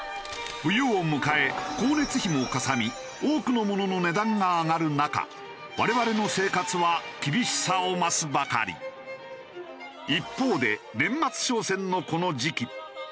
冬を迎え光熱費もかさみ多くのものの値段が上がる中我々の一方で年末商戦のこの時期。